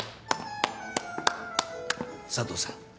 佐都さん